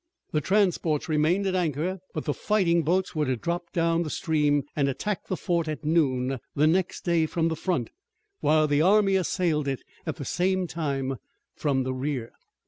The transports remained at anchor, but the fighting boats were to drop down the stream and attack the fort at noon the next day from the front, while the army assailed it at the same time from the rear.